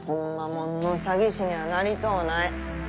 もんの詐欺師にはなりとうない